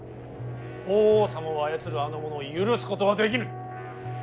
法皇様を操るあの者を許すことはできぬ。